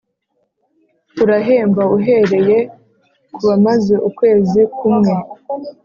Turahemba uhereye ku bamaze ukwezi kumwe